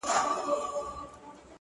ځكه دنيا مي ته يې-